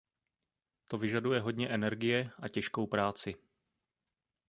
To vyžaduje hodně energie a těžkou práci.